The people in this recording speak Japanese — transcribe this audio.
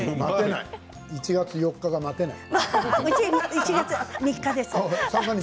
１月４日が待てない。